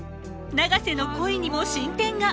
永瀬の恋にも進展が！？